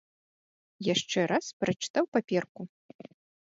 Яшчэ раз прачытаў паперку.